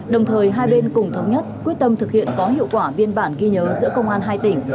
đồng thời hai bên cùng thống nhất quyết tâm thực hiện có hiệu quả biên bản ghi nhớ giữa công an hai tỉnh